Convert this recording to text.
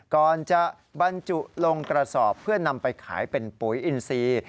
ก่อนจะบรรจุลงกระสอบเพื่อนำไปขายเป็นปุ๋ยอินซี